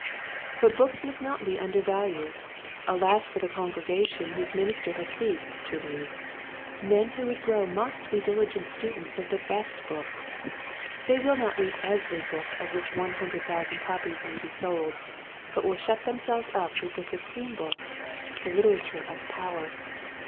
But books must not be undervalued. Alas for the congregation whose minister has ceased to read. Men who would grow must be diligent students of the best books. They will not read every book of 1 90 Quiet Hints to Growing Preachers, which one hundred thousand copies may be sold but will shut themselves up with the supreme books, the literature of power.